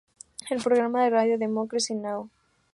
El programa de radio Democracy Now!